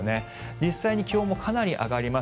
実際に気温もかなり上がります。